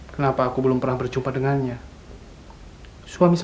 kenapa kamu merebut menyesukan aku